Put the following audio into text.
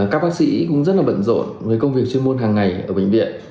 các bác sĩ cũng rất là bận rộn với công việc chuyên môn hàng ngày ở bệnh viện